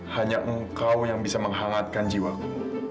hanya engkau yang bisa menghangatkan jiwaku